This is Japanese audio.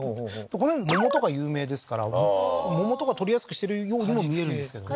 この辺桃とか有名ですから桃とか採りやすくしてるようにも見えるんですけどね